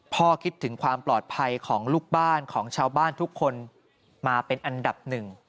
คิดถึงความปลอดภัยของลูกบ้านของชาวบ้านทุกคนมาเป็นอันดับหนึ่ง